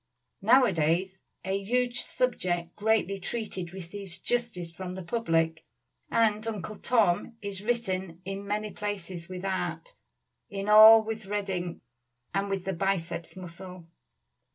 Nowadays a huge subject greatly treated receives justice from the public, and "Uncle Tom" is written in many places with art, in all with red ink and with the biceps muscle.